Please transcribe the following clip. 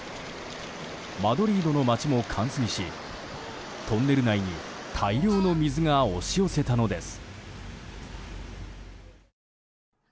マドリードの街も冠水しトンネル内に大量の水が押し寄せたのです。